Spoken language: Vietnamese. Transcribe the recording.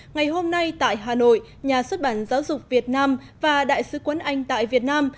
ngày hôm nay tại hà nội nhà xuất bản giáo dục việt nam và đại sứ quân anh tại việt nam